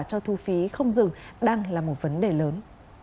cho thu phí không dừng đang là một vấn đề lớn